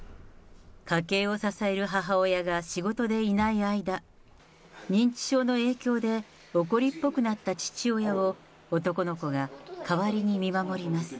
家計を支える母親が仕事でいない間、認知症の影響で怒りっぽくなった父親を、男の子が代わりに見守ります。